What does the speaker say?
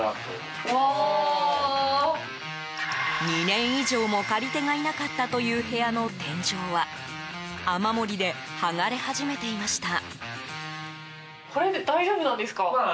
２年以上も借り手がいなかったという部屋の天井は雨漏りで剥がれ始めていました。